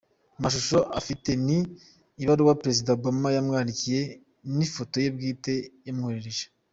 Amashusho afite ni ibaruwa Perezida Obama yamwandikiye n’ifoto ye bwite yamwoherereje.